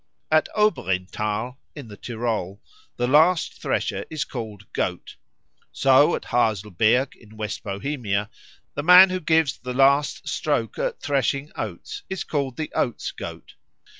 At Oberinntal, in the Tyrol, the last thresher is called Goat. So at Haselberg, in West Bohemia, the man who gives the last stroke at threshing oats is called the Oats goat.